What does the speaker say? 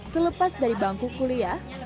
selepas dari bangku kuliah